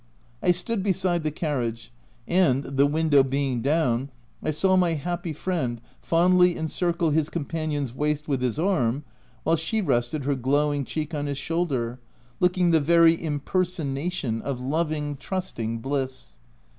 I stood beside the car riage, and, the window being down, I saw my happy friend fondly encircle his companion's waist with his arm, while she rested her glow ing cheek on his shoulder, looking the very im personation of loving, trusting bliss.